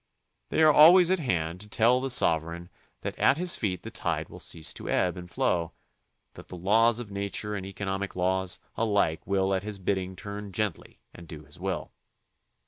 They are always at hand to tell the sovereign that at his feet the tide will cease to ebb and flow, that the laws of nature and economic laws alike will at his bidding turn gently and do his will.